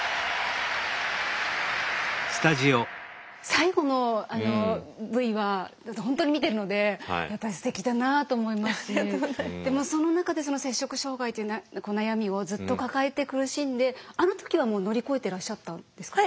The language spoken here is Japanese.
最後のあのＶは本当に見てるのでやっぱりすてきだなと思いますしでもその中でその摂食障害っていう悩みをずっと抱えて苦しんであの時はもう乗り越えてらっしゃったんですか？